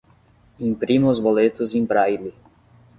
Imprima os boletos em braille